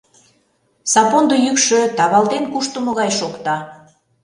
Сапондо йӱкшӧ тавалтен куштымо гай шокта.